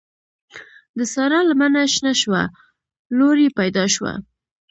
د سارا لمنه شنه شوه؛ لور يې پیدا شوه.